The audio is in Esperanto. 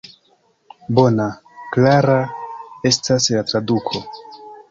Bona, klara estas la traduko.